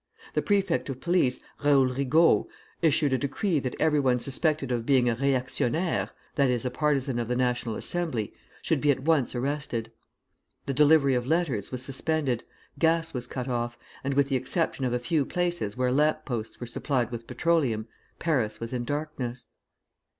The prefect of police, Raoul Rigault, issued a decree that every one suspected of being a réactionnaire (that is, a partisan of the National Assembly) should be at once arrested. The delivery of letters was suspended, gas was cut off, and with the exception of a few places where lamp posts were supplied with petroleum, Paris was in darkness.